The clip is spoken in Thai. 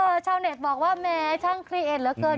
ชาวเน็ตบอกว่าแม้ช่างคลีเอ็ดเหลือเกิน